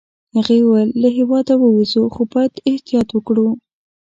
هغې وویل: له هیواده ووزو، خو باید احتیاط وکړو.